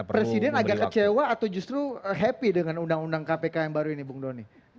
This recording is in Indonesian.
presiden agak kecewa atau justru happy dengan undang undang kpk yang baru ini bung doni